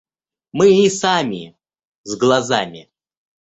– Мы и сами с глазами.